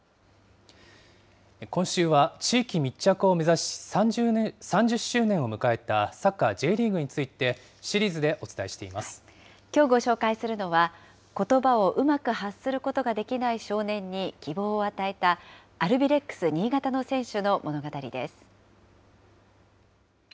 今週は地域密着を目指し、３０周年を迎えたサッカーＪリーグについて、シリーズでお伝えしきょうご紹介するのは、ことばをうまく発することができない少年に希望を与えた、アルビレックス新潟の選手の物語です。